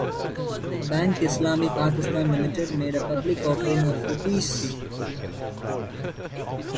BankIslami Pakistan Limited made a public offering of Rs.